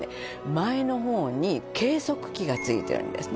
前の方に計測器がついてるんですね